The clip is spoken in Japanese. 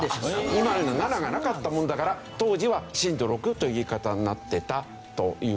今ある７がなかったものだから当時は震度６という言い方になってたという事なんですけどね。